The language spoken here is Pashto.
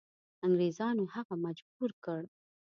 انګریزانو هغه مجبور کړ.